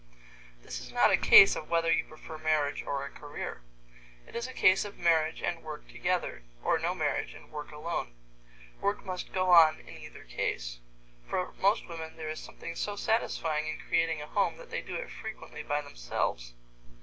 This is not a case of whether you prefer marriage or a career. It is a case of marriage and work together, or no marriage and work alone. Work must go on in either case. For most women there is something so satisfying in creating a home that they do it frequently by themselves.